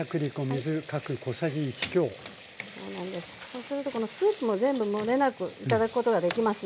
そうするとこのスープも全部もれなく頂くことができますので。